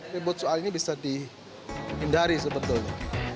ribut soal ini bisa dihindari sebetulnya